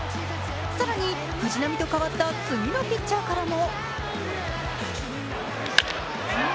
更に藤浪と代わった次のピッチャーからも。